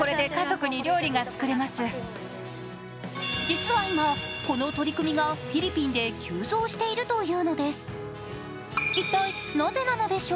実は今、この取り組みがフィリピンで急増しているというのです。